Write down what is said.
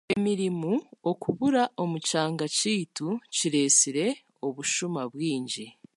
Emirimu okubura omu kyanga kyaitu kiretsire obushuma bwingi.